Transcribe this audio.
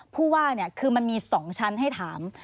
พูดว่าเนี่ยคือมันมี๒ชั้นให้ถาม